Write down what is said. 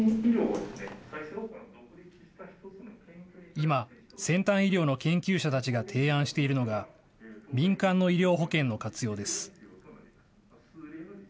今、先端医療の研究者たちが提案しているのが、民間の医療保険の活用です。